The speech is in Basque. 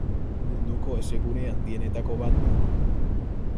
Munduko hezegune handienetako bat da.